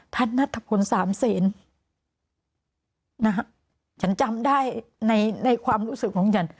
ท่านนัทธพล๓เสนฉันจำได้ในความรู้สึกของฉัน